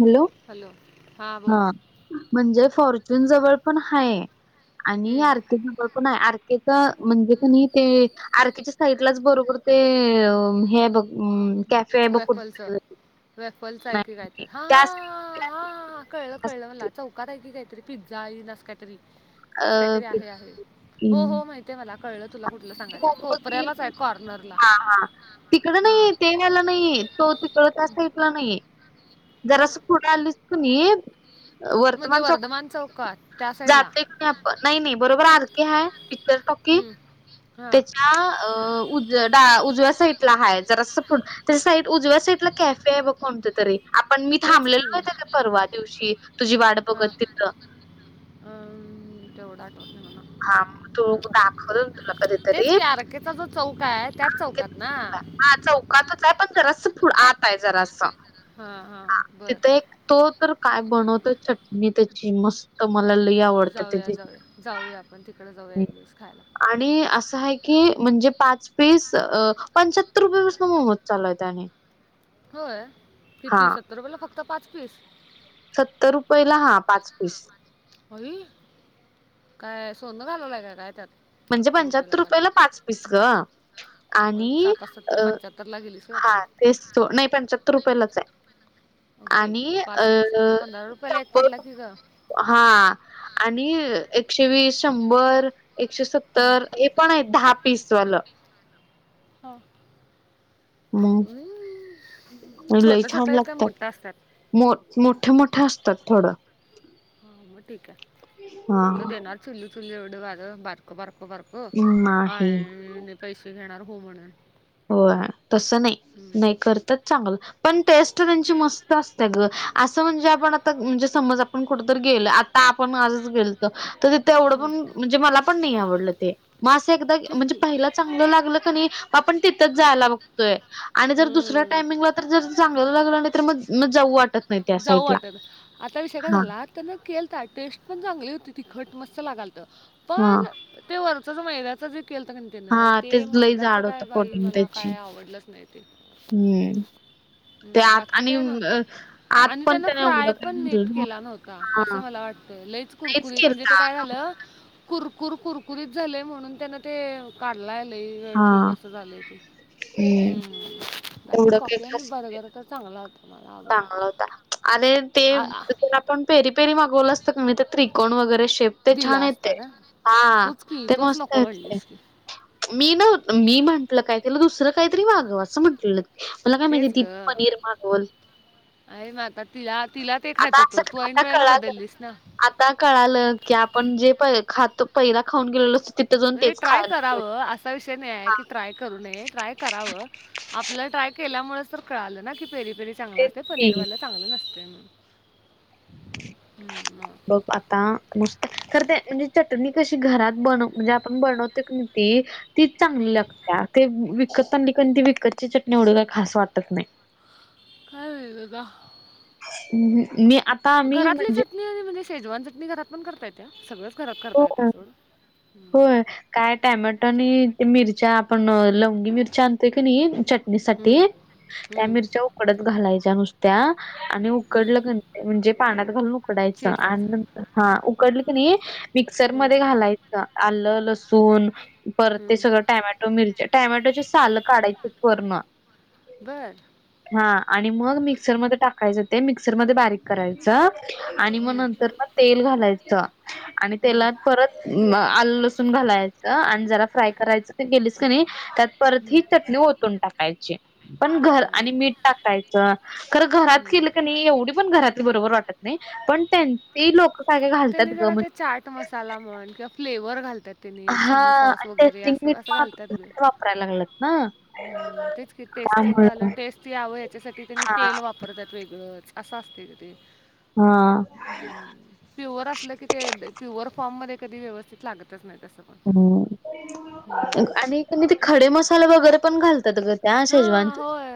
Hello हां बोल हा म्हणजे फॉर्च्यून जवळ पण हाय आणि हम्म यारक पण आहे आरकेच म्हणजे का नाही ते आरकेच्या साइडलाच बरोबर ते हे बघ हम्म कॅफे बूठ वेफलचं वेफलचं हा हा कळलं कळलं मला चौकात आहे की काहीतरी पिझ्झा नस काहीतरी असं अ काहीतरी आहे आहे हो हो माहिती ते मला कळलं तुला कुठला सांगायचं कोपऱ्यालाच आहे कॉर्नरला हा ला नाही तो तिकळ त्या साईडला नाही जरा मग असं पुढं आलीस क नाही म्हणजे वर्तमान चौ वर्धमान चौकात त्या साईडला जाते क नाही नाही नाही बरोबर आरखी ह पिक्चर टॉकी हम्म हां त्याच्या अ उज ड उजव्या सा हय जरं त्या साईड उजव्या साईडला कॅफे आहे बघ कोणत तरी आपण मी तेच थांबलेलो की होेत काय परवा दिवशी तुझी वाड बघत तिथ अम्म तेवढा आठवत नाय मला हा म तो दाखवलणं तुला कधीतरी त्याचा जो चौक आहे त्याच चौकात ना हा चौकातच हाय पण जरास पु आत हाय जरास हां हां बरं तिथ एक तो तर काय बनवतो चटणी त्याची मस्त त मला लय आव जाऊया जाऊया जाऊया आपण तिकड जाऊया एक दिवस खायला. आणि असं हाय की म्हणजे पाच तीस अ पंच्याहत्तर रुपयापासून मोमोज चालू हायत आणि होय किती हां, सत्तर रुपयेला फक्त पाच पीस सत्तर रुपयेला हा पाच पीस. होई काय सोन घालवलाय का काय त्यात म्हणजे पंच्याहत्तर रुपयाला पाच पिस ग होय आणि सात सत्तर अ पंच्याहत्तरला गेलीस होय आता हा तेचं तो नाय पंच्याहत्तर रुपयालाच हाय. अगं बाई आणि अ पाच पीस म्हणजे पंधरा रुपयाला एक शंभर पडला की ग हा आणि एकशे वीस शंभर एकशे सत् हां तर हे पण आहेत दहा पीसवालं हां मग हम् लई छोट छोट छान हाईत की लागतात. मोठ्या असतात. मो मोठ मोठ असतात थोडं हा म ठीक हाय हा नाय त देणार चुली चुली एवढं बरका बारक बारक बारक हो नाही. आणि पैसे घेणार हो म्हणून होय तसं नाही हम्म. नाही करतात चांगल पण टेस्ट त्यांची मस्त असता ग असं म्हणजे आपण आता म्हणजे समज आपण कुठ तर गेल आत म आपण आजच गेलत तर तिथे एवढं हम्म. पण म्हणजे मला पण नाही आवडलं ते म असं एकदा तेच म्हणजे की पहिला चागलं लागल कं नी म आपण तिथ जायला बघतोय आणि जर दुसऱ्या हम्म. टामिंगला तर जर चांगलं लागलं नाय तर मग म जाऊ वाट जाऊ वाटलं आता विषय काय हा झाला त्यांन केलता टेस्ट पण चांगली होती तिखट मस्त लागालालत. हा पण ते वरच जे मैंद्याच जे केलंत कं नई तेन हा ते तेच लई मैदाचं जाड काय होतं बाई कोटिंग मला त्याची काय आवडलंच नाय ते हम्म ते हम्म आत बाकी आणि काय नव्हत अ, आत आणि पण त्यान त्याने एवढं फ्राय काय पण नीट म्हटलं केला नव्हता असं मला वाटतं लईच तेच कुरकुरीत म्हणजे ते केलता काय झालं कुरकुर कुरकुरीत झालय म्हणून त्यांन ते काढलाय लई वेळ हा ठेवून असं झालंय ते हम्म बाकी एवढं काही कॉफी आणि खास नाही, पदार्थ चांगला होता. मला आवडला चांगला होता आणि ते आ- आ- पण पेरी पेरी मागवलं असत का नाय ते त्रिकोण वगैरे शेप ते दिला छान असता येतय का हा तूच की ते तूच मस्त नको येतय. म्हणलीस की मी नव्ह मी म्हंटलं काय तिला दुसरं काय तरी मागवं असं म्हटलेलं मला काय माहिती तेच ती ग पनीर मागवल. आणि माग आता तिला तिला ते आता खायचं असं होतं तू ऐन आता वेळेला कळालं बदलीस ना आता कळालं की आपण जे प खातो पैला खाऊन गेलेलो तिथं जाऊन म्हणजे तेच खा ट्राय करावं असा विषय नाय ये हा की ट्राय करू नये ट्राय करावं आपल्याला ट्राय केल्यामुळेच तर कळालं ना की पेरी पेरी चांगल तेच असते की. पनीरवाल चांगलं नसते म्हणून. हम्म, मग. बघ आता नुसत खर ते म्हणजे चटणी कशी घरात बन म्हणजे आपण बनवतो की ती तीच चांगली हम्म. लागते ते विकत आणली कारण ती विकतची चटणी एवढी काय खास वाटत नाय. काय नाही ग. [unintelligible] मी आ घरातली चटणी आणि म्हणजे शेजवान चटणी घरात पण करता येते हा, सगळंच घरात करता येते होय सोड हम्म. होय. काय टॅमॅटो आणि मिरच्या आपण लवंगी मिरच्या आणतोय की नाही चट णीसाठी हम्म, त्या हम्म, मिरच्या उकडत घालायच्या नुसत्या आणि हम्म. उकडल्या की म्हणजे पाण्यात घालून उकडायचं चेचायचं आणि हा उकडलं की नाही मिक्सर हम्म, मध्ये घालायचं चं आलं लसू ण परत ते हम्म. सगळं टॅमॅटो मिरच्या टॅमॅटोचे सालं काढायची पूर्ण बर. हा आणि मग मिक्सरमध्ये टाकायचं ते मिक्सरमध्ये बारीक करायच आणि मग हम्म, नंतर ना तेल घालायच आणि हम्म, तेलात परत आलं लसून घालायचं आणि जरा फ्राय करायचं ते केलीस का नाही त्यात परत हम्म. ही चटणी ओतून टाकायची पण घर आणि बरं. मीठ टाकायचं खरं घरात हम्म. केलं का नाही एवढी पण घरातली बरोबर वाटत नाही पण त्यां ते लोक काय काय घालतात ग म्हण तो मसाला म्हण किंवा फ्लेवर घालतात त्यां हा आणि टेस्टिंग मीठ पण ग वापरायला लागलंत ना. ते टेस्टिंग त्यामुळे वालं टेस्ट यावं याच्यासाठी त्यांनी हा तेल वापरतात वेगळंच असं असते तिथे ते हा. प्युअर असलं की ते प्युअर फॉर्म मध्ये कधी व्यवस्थित लागतच नाही तसं पण हम्म हम्म. आणि मी ते खडे मसाले वगैरे पण घालतात ग त्या शेजवान हां त होय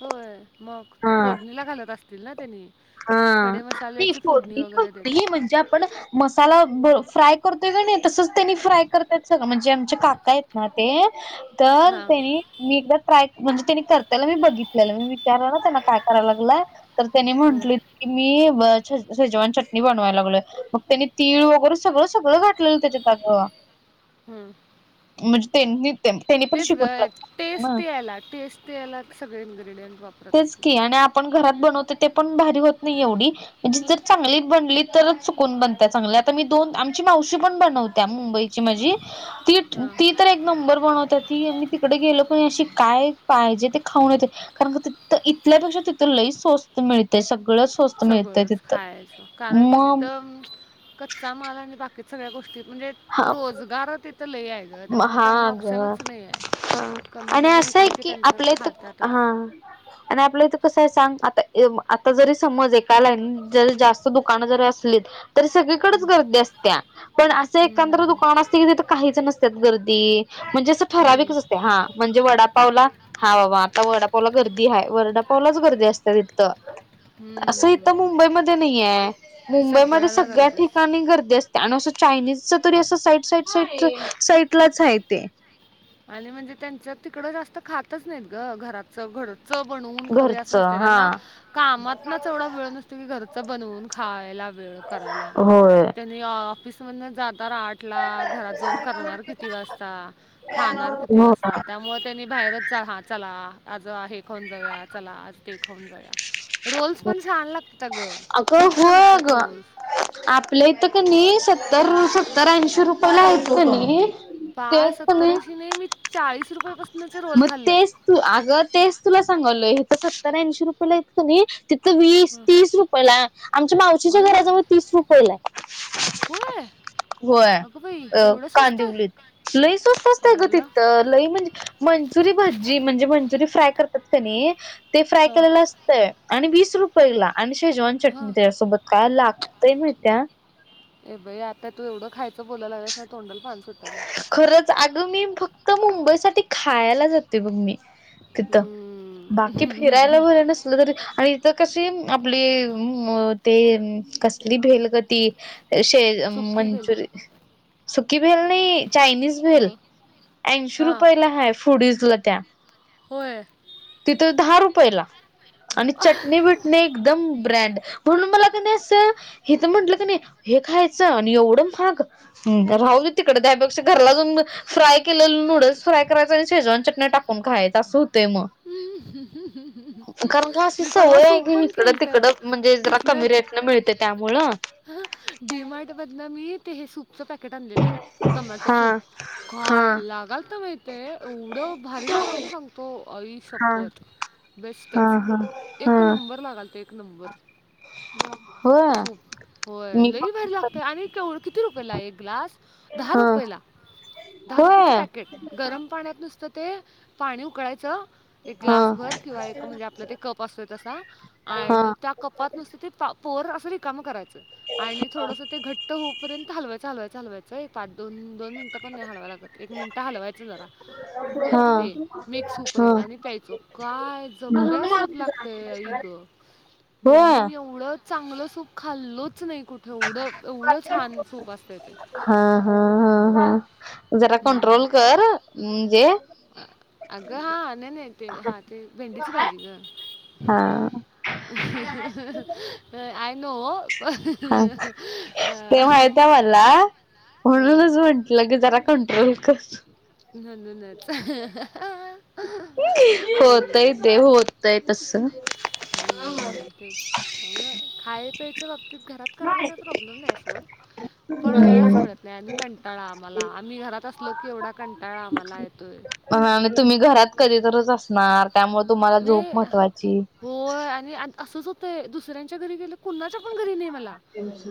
होय मग फोडणीला घालत असतील ना त्यानी हा [unintelligible] देत नाही असतात म्हणजे आपण मसाला फ्राय करतोय का नाही तसच त्यांनी फ्राय करतय सगळं म्हणजे आमचे काका आहेत ना ते तर हां त्यांनी मी एकदा ट्राय म्हणजे त्यांनी करतायला मी बघितलेलं मी विचारलं ना त्यांना काय करायला लागलं तर त्यांनी हं, म्हटली की मी की शेज शेजवान चटणी बनवायला लागलय मग त्यानी तीळ वगैरे सगळं सगळं घातलेलं त्याच्यात अग हम्म. म्हणजे त्यांनी त्यांनी पण तेच ग, शिकून ना. टेस्ट यायला टेस्ट यायलाच सगळे इंग्रिडियंट वापरत तेच असतील की आणि त्यांनी आपण घरात बनवते ते पण भारी होत नाही एवढी म्हणजे जर चांगलीच बनली तरच चुकून बनता चांगल्या आता मी दोन आमची मावशी पण बनवत्या मुंबई ची माझी ती हां ती तर एक नंबर बनवते ती. मी तिकडे गेलो पण अशी काय पाहिजे ते खाऊन येते कारण का तिक इथल्यापेक्षा तिथ लय स्वस्त मिळत सगळच सगळंच खायचं कारण की मग तिथं कच्चा माल आणि बाकी सगळ्या गोष्टी म्हणजे हा रोजगार तिथं लय आहे ग त्यामुळे त्यांना ऑप्शनच नाहीये हम्म आणि असं आहे की आपल्या इथ खातातच हा आणि आपल्या इथं कसं आहे सांग आता आता जरी समज एकालाईन जरी जास्त दुकाना जरी असतील सगळीकच हं, गर्दी असत्या पण अस एकांदा हं, दुकान असत की काहीच नसतात गर्दी म्हणजे असं हं, ठराविकच असते हा म्हणजे वडापावला हा बाबा आता वाडापावला गर्दी आहे वर्डापावलाच गर्दी असते तिथं असं इथ हं. मुंबईमध्ये नाही आहेे मुंबईमध्ये सगळ्याला सगळ्या गरज आहे ठिकाणी गर्दी असते. त्यान असं चायनीजच तरी असं साईट साईट साट साईटलाच आहेय ते आणि म्हणजे त्यांचं तिकडं जास्त खातच नाहीत घरात घरच बनवून खाऊया असं घरचं नसतं हा त्यांना कामातनच एवढा वेळ नसतो की घरच बनवून खायला वेळ करायला होय आणि ऑफिस मध जात आठ ला घरात जाऊन करणार किती वाजता खाणार किती हो वाजता. मग त्यांनी बाहेरच हा चला आज हे खाऊन जाऊया चला आ ते खाऊन जाऊया रोल्स पण छान लागतात अ गं खूप छान लागतात रोल्स आपलं इथं का नाही सत्तर सत्तरऐंशी रुपला आहेत. बाळ सत्तरऐंशी नाही मी चाळीस रुपये मग तेच तू अगं तेच तुला सांगल हे तर सत्तर ऐंशी रुपयेलातं ना तिथं वीस तीस रुपयेला आमच्या मावशीच्या अय घराजवळ तीस रुपयेला आहे होय होय अगं बाई अ एवढं स्वस्त कांदउलीत लई स्वस्त असतय ग अळला तित लई म्हणजे मंचुरी भजी म्हणजे मंचुरी फ्राय करतात क नाही ते फ्राय हा केलेलं अस आणि वीस रुपयेला आणि शेजवान हा चटणी त्यासोबत का लाग म्हणता ए बई आता तू एवढं खायचं बोयलागलास नाही तोंडल फान सुटाला खरंच अग मी फक्त मुंबई सा खायला जाते बग मी तिथं बाकी फिरायला हम्म. भर नसलं तरी आणि तर कशी आपली ते कसली भेलगती श सुखी बेल मंचुरय सुकी भेल नाही चायनीज भेल मग ऐंशी हा रुपयला हा फुडजला त्या होय तिथे दहा रुपयेला आणि चटणी बटनी एकदम ब्रँड म्हणून मला कनय अस हे तर म्हंटलं का नाही हे खायचं आणि एवढं महाग राहुदे त्यापेक्षा घरला जाऊन फ्राय केले नूडल्स फ्रय करायचा आणि शेजवान चटण्या टाकून खाय अस [unintelligible] कारण अशी मी परवा सवय आहे सूप की पण इकड तिकड केलतं म्हणजे जरा कमी रेट न मिळते त्यामुळ ह डीमार्टमधन मी ते हे सूपचं पॅकेट आणलेलं टोमॅटो हा सूप हा काय लागाल तर माहिित एवढं भारी लागाल तर सांग तो ई हा शपत हा बेस्टच हा हा एक नंबर लागाल तर एक नंबर होय सूप होय मी लई पण बाहेर लागतय आणि किती रुपयेला एक ग्लास दहा हा रुपयेला दहा रुपयेचं होय पॅकेट गरम पाण्यात नुसतं ते पाणी उकळायचं एक हा ग्लास भर किंवा एक म्हणजे आपलं ते कप असतोय तसा हा आणि त्या कपात नुसत ते पोर अस रिकाम करायच आणि थोडस ते घट्ट होऊपर्यंत हलवाचं हलवायचं हलवायचंय पाच दोनोनट पण नाही हलवां लागत एक मिनिटं हलवायचं जरा हा ते मिक्स हा सूपर्यंत आणि त्यायचं काय जबऱ्या सूप लागतय ई ग भेंडी होय मी एवढं चांगलं सूप खाल्लच नाही कुठे एवढं एवढं छान सूप असते ते हा हा हा हा जरा हम्म. कंट्रोल कर म्हणजे अगं हा नाही ते हा ते भेंडीची भाजी ग हा आय नो हा ते माहित मला हम्म लगे जरा कंट्रोल कर न न नता हा होतय ते होतय तसं हम्म तेच त्या खाय प्यायच्या बाबतीत घरात करायला काही प्रॉब्लेम नाही फोन पण वेळच म्हणत नाही आम्ही कंटाळा आम्हाला आम्ही घरात असलो की एवढा कंटाळा आम्हाला येतोय ह आणि तुम्ही घरात कधीतच असणार त्यामुळे तुम्हाला झोप नाही महत्त्वाची होय आणि असंच होतंय दुसऱ्यांच्या घरी गेलं कणाच्या पण घरी नाही मला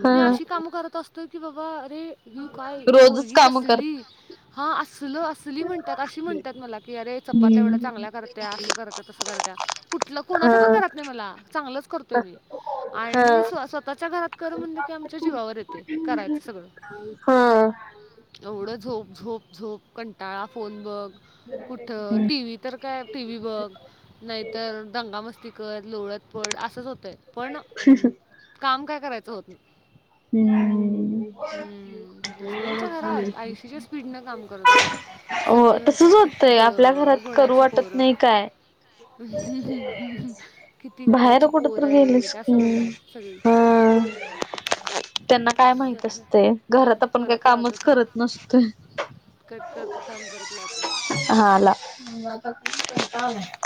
ह मी अशी काम करत असतो की बाबा अरे ी काय रोजच पोरगी काम कर कसली हा असल अस चुली म्हणतात अशी म्हणतात मला की अरे चपात एवढा चांगला करत्या असं करत तसं करत्या कुठलं हा कोणाच्या पण घरात नाही मला चांगलंच करतोय मी हा आणि स्व स्वतःच्या घरात कर म्हणलं की आमच्या जीवावर येते करायचं सगळं हा हम एवढं झोप झोप झोप कंटाळा फोन बघ कुठं हम्म टीव्त तर काय टी व्ही बघ नाहीतर दंगा मस्ती कर लोळत पड असंच होतं पण काम काय करायचं होत ना हम्म दुसऱ्यांच्या घरात आयसीच्या स्पीड न काम करत असतो हो सगळी तसच म्हणतात किती होतंय आपल्या गं घरात करू गुणाची वाटत पोरं नाही काय हम हम हम हम किती गुणाची पोरं गेलस आहेत कि असं म्हणतात सगळी हा त्यांना काय माहित असते थांब घरात आपण काही परत लावतो कामच करत थांब नसत कट करतो थांब परत लावतो हा